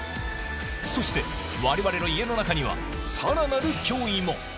そして、われわれの家の中には、さらなる脅威も。